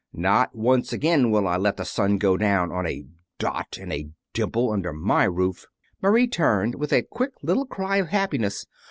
_ Not once again will I let the sun go down on a Dot and a Dimple under my roof." Marie turned with a quick little cry of happiness.